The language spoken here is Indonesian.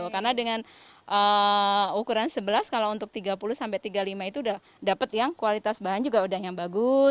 karena dengan ukuran sebelas kalau untuk tiga puluh sampai tiga puluh lima itu sudah dapat yang kualitas bahan juga sudah yang bagus